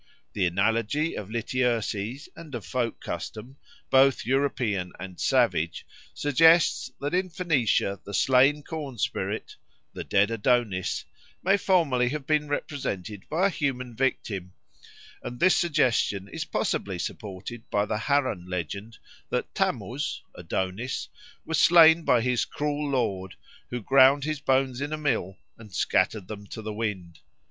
The analogy of Lityerses and of folk custom, both European and savage, suggests that in Phoenicia the slain corn spirit the dead Adonis may formerly have been represented by a human victim; and this suggestion is possibly supported by the Harran legend that Tammuz (Adonis) was slain by his cruel lord, who ground his bones in a mill and scattered them to the wind.